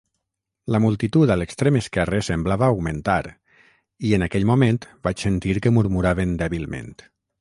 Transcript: La multitud a l'extrem esquerre semblava augmentar i, en aquell moment, vaig sentir que murmuraven dèbilment.